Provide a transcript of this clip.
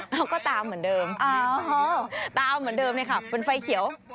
เราก็ตามเหมือนเดิมตามเหมือนเดิมเลยค่ะเป็นไฟเขียว